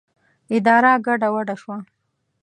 اداره ګډه وډه شوه.